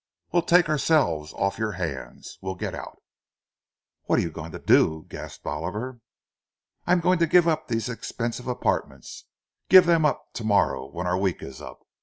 We'll take ourselves off your hands—we'll get out!" "What are you going to do?" gasped Oliver. "I'm going to give up these expensive apartments—give them up to morrow, when our week is up.